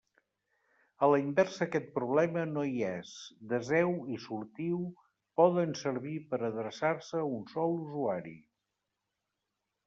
A la inversa aquest problema no hi és: deseu i sortiu poden servir per a adreçar-se a un sol usuari.